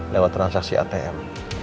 lewat transaksi atm